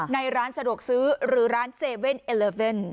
ในร้านสะดวกซื้อหรือร้านเซเว่นเอลิเว่น